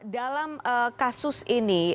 dalam kasus ini